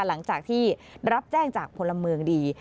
หลังจากที่รับแจ้งจากพลเมืองดี